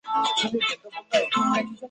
继续未完成的学业